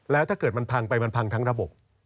แล้วถ้าเกิดมันพังไปมันพังทั้งระบบ